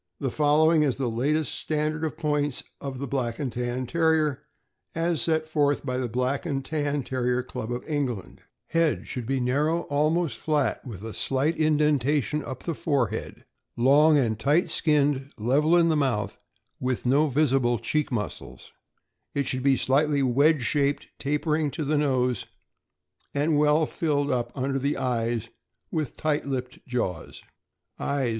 The following is the latest standard of points of the Black and Tan Terrier, as set forth by the Black and Tan Terrier Club of England: Head, — Should be narrow, almost flat, with a slight indentation up the forehead; long and tight skinned, level in mouth, with no visible cheek muscles; it should be slightly wedge shaped, tapering to the nose, and well filled up under the eyes with tight lipped jaws. Eyes.